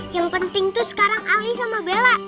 yang penting tuh sekarang ali sama bella